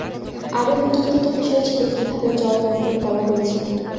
আরো বিতর্কিত বিষয় ছিল, কিভাবে জল-বণ্টন করা হয়েছিল।